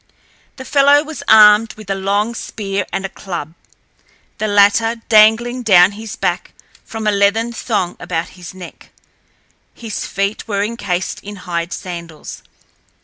The fellow was armed with a long spear and a club, the latter dangling down his back from a leathern thong about his neck. His feet were incased in hide sandals.